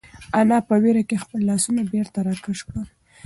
انا په وېره کې خپل لاسونه بېرته راکش کړل.